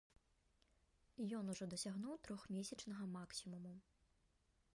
Ён ужо дасягнуў трохмесячнага максімуму.